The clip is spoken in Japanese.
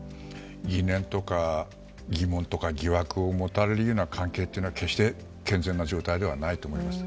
疑念とか、疑問とか疑惑を持たれるような関係は決して健全な状態ではないと思います。